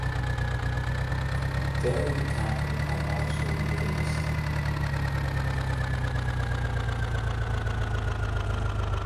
Dairy cattle are also raised.